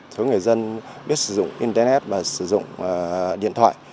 số người dân biết sử dụng internet và sử dụng điện thoại